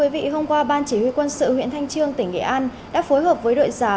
bộ chỉ huy quân sự huyện thanh trương tỉnh nghệ an đã phối hợp với đội giả